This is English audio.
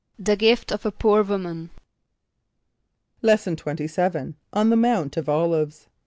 =The gift of a poor woman.= Lesson XXVII. On the Mount of Olives.